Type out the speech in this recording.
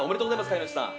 飼い主さん。